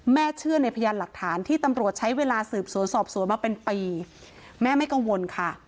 เชื่อในพยานหลักฐานที่ตำรวจใช้เวลาสืบสวนสอบสวนมาเป็นปีแม่ไม่กังวลค่ะ